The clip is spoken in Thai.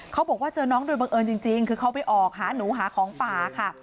เขาบอกว่าเจอน้องโดยบังเอิญจริงคือเขาไปออกหาหนูหาของป่าค่ะ